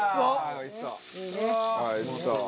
おいしそう。